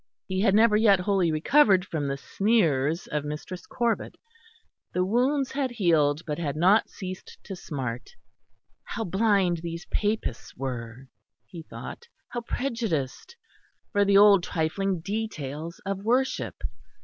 He had never yet wholly recovered from the sneers of Mistress Corbet; the wounds had healed but had not ceased to smart. How blind these Papists were, he thought! how prejudiced for the old trifling details of worship!